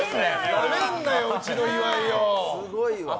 なめんなよ、うちの岩井を。